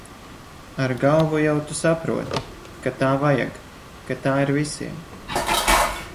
Ar galvu jau tu saproti, ka tā vajag, ka tā ir visiem.